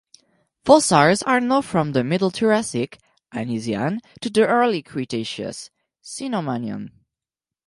Fossils are known from the Middle Triassic (Anisian) to the early Late Cretaceous (Cenomanian).